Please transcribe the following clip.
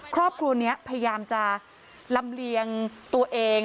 ครอบครัวนี้พยายามจะลำเลียงตัวเอง